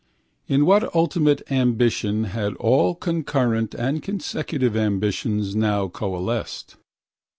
In what ultimate ambition had all concurrent and consecutive ambitions now coalesced?